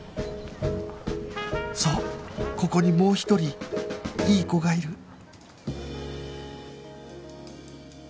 そうここにもう一人いい子がいる